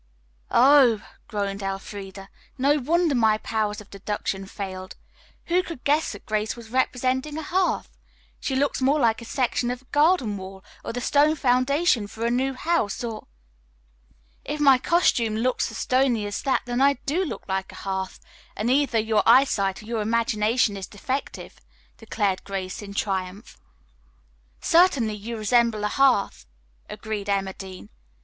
"Oh," groaned Elfreda. "No wonder my powers of deduction failed. Who could guess that Grace was representing a hearth? She looks more like a section of a garden wall or the stone foundation for a new house, or " "If my costume looks as stony as that, then I do look like a hearth, and either your eyesight or your imagination is defective," declared Grace in triumph. "Certainly, you resemble a hearth," agreed Emma Dean.